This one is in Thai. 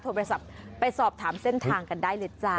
โทรศัพท์ไปสอบถามเส้นทางกันได้เลยจ้า